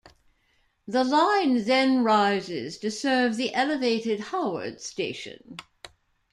The line then rises to serve the elevated Howard station.